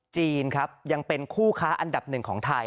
จีนครับยังเป็นคู่ค้าอันดับหนึ่งของไทย